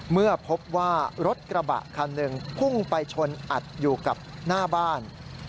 เมื่อพบว่ารถกระบะคันหนึ่งพุ่งไปชนอัดอยู่กับหน้าบ้าน